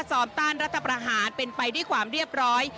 ซ้อมต้านรัฐประหารเป็นไปด้วยความเรียบร้อย